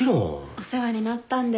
お世話になったんで。